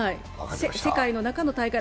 世界の中の大会。